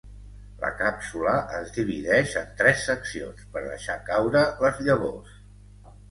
La càpsula es divideix en tres seccions per deixar caure les llavors.